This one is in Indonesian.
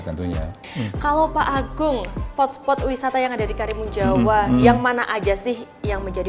tentunya kalau pak agung spot spot wisata yang ada di karimun jawa yang mana aja sih yang menjadi